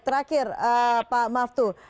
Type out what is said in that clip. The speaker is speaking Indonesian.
terakhir pak maftu